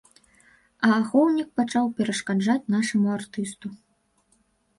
А ахоўнік пачаў перашкаджаць нашаму артысту.